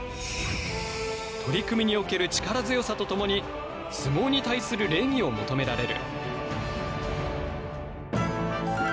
取組における力強さと共に相撲に対する礼儀を求められる。